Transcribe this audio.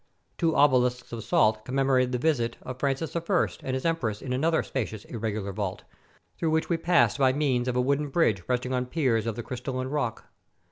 Two obelisks of salt commemorated the visit of Francis I and his empress in another spacious, irregular vault, through which we passed by means of a wooden bridge resting on piers of the crystalline rock.